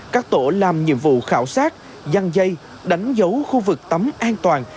các tổ làm nhiệm vụ khảo sát dăng dây đánh dấu khu vực tắm an toàn